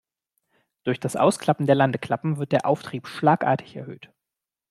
Durch das Ausklappen der Landeklappen wird der Auftrieb schlagartig erhöht.